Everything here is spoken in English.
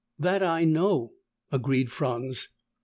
"That I know," agreed Franz.